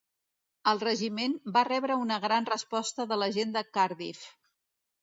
El regiment va rebre una gran resposta de la gent de Cardiff.